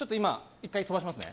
１回飛ばしますね。